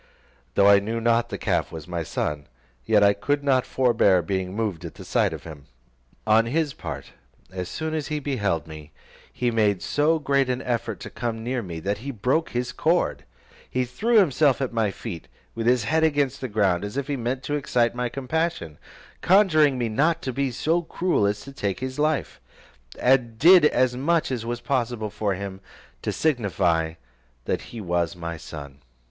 Though I knew not the calf was my son, yet I could not forbear being moved at the sight of him. On his part, as soon as he beheld me, he made so great an effort to come near me, that he broke his cord, threw himself at my feet, with his head against the ground, as if he meant to excite my compassion, conjuring me not to be so cruel as to take his life; and did as much as was possible for him, to signify that he was my son.